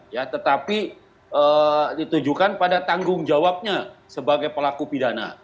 ya tetapi ditujukan pada tanggung jawabnya sebagai pelaku pidana